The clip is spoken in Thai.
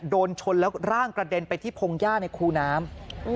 โดนชนแล้วร่างกระเด็นไปที่พงหญ้าในคูน้ำ